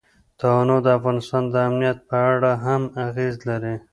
تنوع د افغانستان د امنیت په اړه هم اغېز لري.